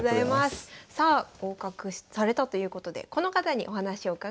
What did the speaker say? さあ合格されたということでこの方にお話を伺いました。